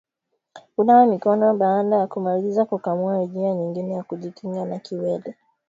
Kunawa mikono baada ya kumaliza kukamua ni njia nyingine ya kujikinga na kiwele